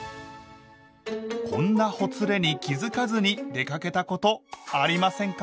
こんなほつれに気付かずに出かけたことありませんか？